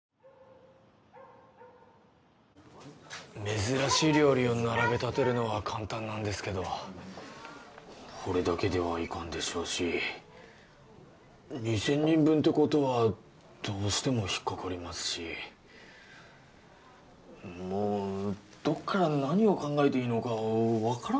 珍しい料理を並べ立てるのは簡単なんですけどほれだけではいかんでしょうし２０００人分ってことはどうしても引っかかりますしもうどっから何を考えていいのか分からん